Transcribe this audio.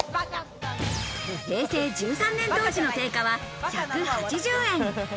平成１３年当時の定価は１８０円。